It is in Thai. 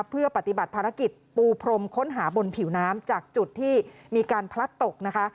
เพื่อปฏิบัติภารกิจปูพรมค้นหาบนผิวน้ำจากจุดที่มีการพลัดตกนะคะ